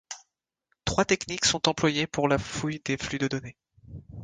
Trois techniques sont employées pour la fouille des flux de données.